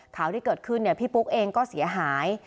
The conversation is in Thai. ข่าวที่เกิดขึ้นพี่ปุ๊กเองก็เสียหาย